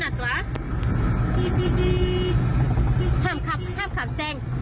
ห้ามขับห้ามขับแซงห้ามขับแซง